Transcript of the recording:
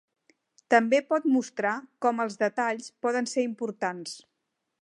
També pot mostrar com els detalls poden ser importants.